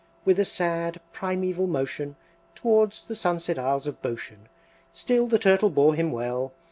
With a sad primaeval motion Towards the sunset isles of Boshen Still the Turtle bore him well.